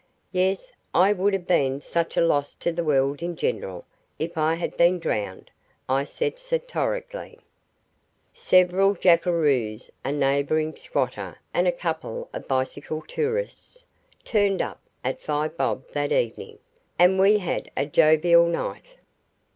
"Yes; I would have been such a loss to the world in general if I had been drowned," I said satirically. Several jackeroos, a neighbouring squatter, and a couple of bicycle tourists turned up at Five Bob that evening, and we had a jovial night.